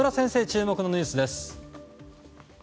注目のニュースです。